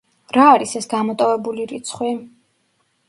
რა არის ეს გამოტოვებული რიცხვი?